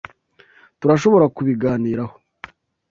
Turashobora kubiganiraho.